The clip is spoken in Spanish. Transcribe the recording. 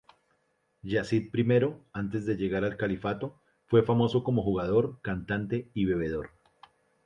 Yazid I antes de llegar al califato, fue famoso como jugador, cantante, y bebedor.